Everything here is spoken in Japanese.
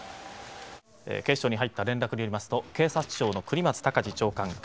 警視庁に入った連絡によりますと警察庁の國松孝次長官